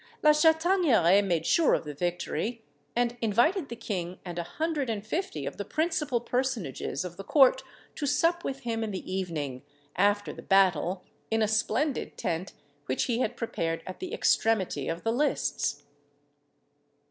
La Chataigneraie made sure of the victory, and invited the king and a hundred and fifty of the principal personages of the court to sup with him in the evening, after the battle, in a splendid tent which he had prepared at the extremity of the lists.